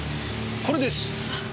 これです。